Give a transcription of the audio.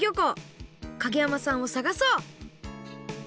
景山さんをさがそう！